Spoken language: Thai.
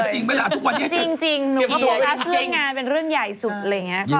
จริงหนูโฟกัสเรื่องงานเป็นเรื่องใหญ่สุด